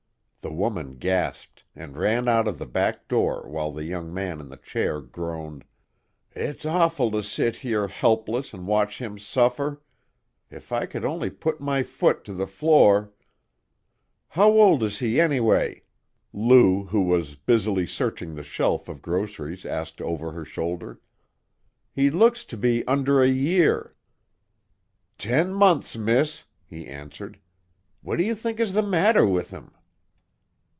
The woman gasped, and ran out of the back door while the young man in the chair groaned: "It's awful to sit here helpless and watch him suffer! If I could only put my foot to the floor " "How old is he, anyway?" Lou, who was busily searching the shelf of groceries, asked over her shoulder. "He looks to be under a year." "Ten months, miss," he answered. "What do you think is the matter with him?"